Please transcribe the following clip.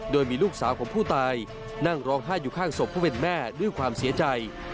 โดยมีลูกสาวของผู้ตายนั่งร้องไห้อยู่ข้างศพผู้เป็นแม่ด้วยความเสียใจ